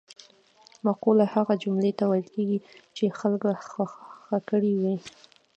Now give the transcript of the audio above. مقوله هغه جملې ته ویل کېږي چې خلکو خوښه کړې وي